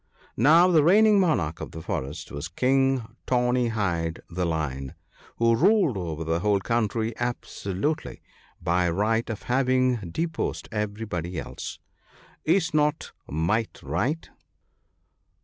Now, the reigning monarch of the forest was King Tawny hide the Lion, who ruled over the whole country absolutely, by right of having deposed everybody else. Is not might right?